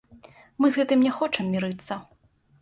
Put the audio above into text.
Мы з гэтым не хочам мірыцца.